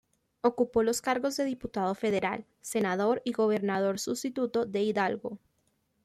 Ocupó los cargos de Diputado Federal, Senador y Gobernador Sustituto de Hidalgo.